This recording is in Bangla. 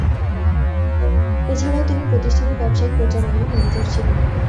এছাড়াও তিনি প্রতিষ্ঠানের ব্যবসায়িক প্রচারণায় ম্যানেজার ছিলেন।